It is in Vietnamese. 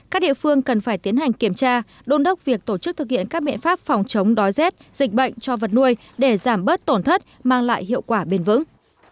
các địa phương cần phải tiến hành kiểm tra đôn đốc việc tổ chức thực hiện các biện pháp phòng chống đói rét dịch bệnh cho vật nuôi để giảm bớt tổn thất mang lại hiệu quả bền vững